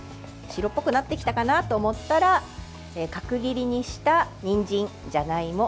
白っぽくなってきたかなと思ったら角切りにしたにんじんじゃがいも